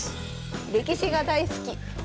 歴史が大好き。